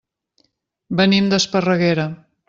Venim d'Esparreguera.